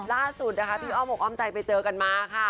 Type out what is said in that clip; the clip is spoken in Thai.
ล่าสุดพี่อ้อมบอกว่าอ้อมใจไปเจอกันมาค่ะ